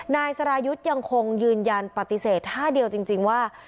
นายสรายุทธ์ยังคงยืนยันปฏิเสธท่าเดียวจริงว่า